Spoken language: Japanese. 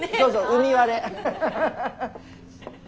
海割れ。